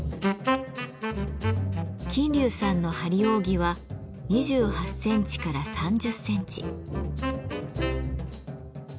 琴柳さんの張り扇は２８センチから３０センチ。